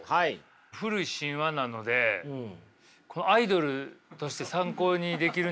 古い神話なのでアイドルとして参考にできるんでしょうか？